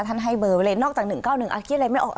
ให้เบอร์ไว้เลยนอกจาก๑๙๑คิดอะไรไม่ออก